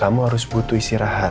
kamu harus butuh istirahat